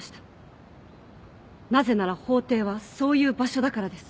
なぜなら法廷はそういう場所だからです。